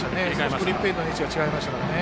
グリップエンドの位置が違いましたからね。